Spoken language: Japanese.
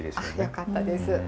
よかったです。